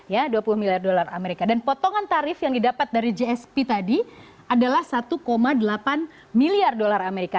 ya dua puluh miliar dolar amerika dan potongan tarif yang didapat dari jsp tadi adalah satu delapan miliar dolar amerika